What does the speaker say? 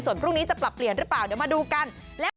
ส่วนพรุ่งนี้จะปรับเปลี่ยนหรือเปล่าเดี๋ยวมาดูกัน